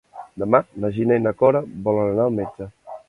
Demà na Gina i na Cora volen anar al metge.